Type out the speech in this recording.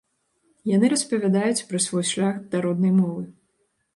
Яны распавядаюць пра свой шлях да роднай мовы.